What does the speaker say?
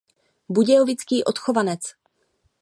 Budějovický odchovanec.